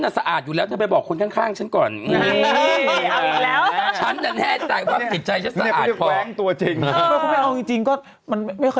คุณแม่เพิ่งเครื่องบิน